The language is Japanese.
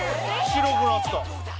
白くなった。